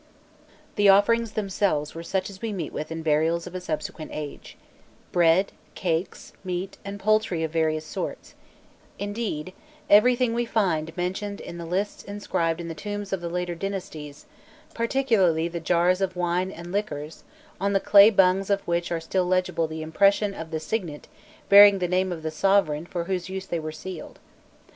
The offerings themselves were such as we meet with in burials of a subsequent age bread, cakes, meat, and poultry of various sorts indeed, everything we find mentioned in the lists inscribed in the tombs of the later dynasties, particularly the jars of wine and liquors, on the clay bungs of which are still legible the impression of the signet bearing the name of the sovereign for whose use they were sealed.